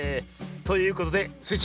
ということでスイ